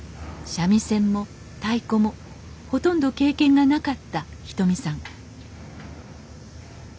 三味線も太鼓もほとんど経験がなかったひとみさん